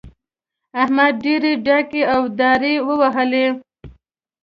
احمد ډېرې ډاکې او داړې ووهلې.